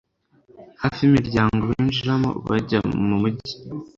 hafi y'imiryango binjiriramo bajya mu mugi